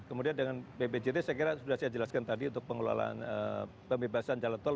kemudian dengan bpjt saya kira sudah saya jelaskan tadi untuk pengelolaan pembebasan jalan tol